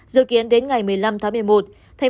dự kiến đến ngày một mươi năm tháng một mươi một